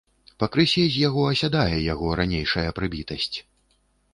Пакрысе з яго асядае яго ранейшая прыбітасць.